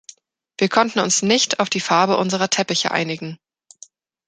Wir konnten uns nicht auf die Farbe unserer Teppiche einigen.